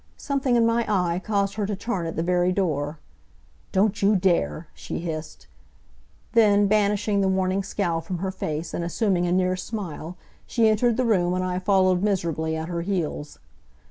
Something in my eye caused her to turn at the very door. "Don't you dare!" she hissed; then, banishing the warning scowl from her face, and assuming a near smile, she entered the room and I followed miserably at her heels.